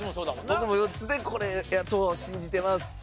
僕も４つでこれやと信じてます。